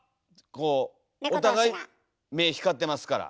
こうお互い目光ってますから。